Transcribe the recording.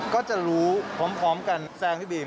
ก็จะรู้พร้อมกันแซงพี่บีม